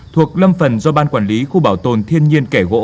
thuộc lâm phần do ban quản lý khu bảo tồn thiên nhiên kẻ gỗ